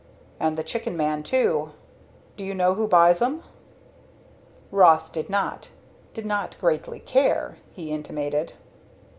And the chicken man, too. Do you know who buys 'em?" Ross did not. Did not greatly care, he intimated.